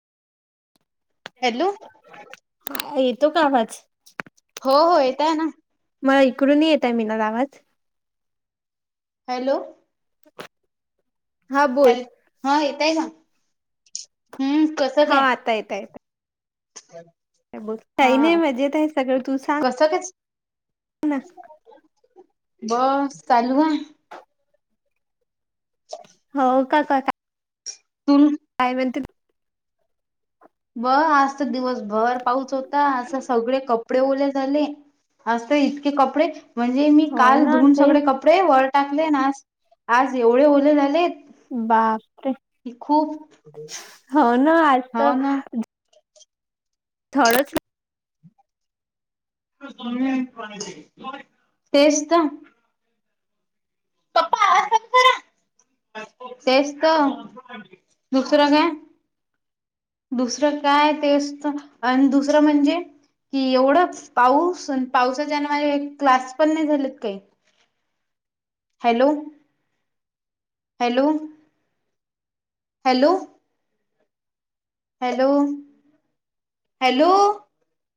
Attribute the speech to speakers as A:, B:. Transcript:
A: Hello
B: तो कामज
A: हो हो येतय ना.
B: मला इकडून येत आहे मीना गावाात
A: हॅलो.
B: हा बोल
A: हॅल हा येतय नाा
B: हा आतायत ययत
A: हम.
B: का बोल काही नाही मजेत आहे सगळं तू सांग
A: कसं काय
B: ना.
A: बस चालू आहे.
B: हो का का का?
A: तु
B: काय म्हंत.
A: ब आज तर दिवसभर पाऊच होता अस. सगळे कपडे ओले झाले असते इतके कपडे म्हणजे मी
B: हो
A: काल
B: ना
A: धुऊून
B: तेच
A: सगळे कपडे वर टाकले ना. आज एवढे ओले झालेत.
B: बापरे
A: हि खूप
B: हो ना आज
A: हो ना
B: थडंच
A: तेजत पप्पा अस करा तेच तर दुसरं काय दुसरं काय तेच अ दुसरं म्हणजे कि एवढं पाऊस पावसाच्याने माझे क्लास पण नाही झालेत काही hello hello hello hello hello